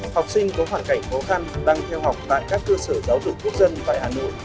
học sinh có hoàn cảnh khó khăn đang theo học tại các cơ sở giáo dục quốc dân tại hà nội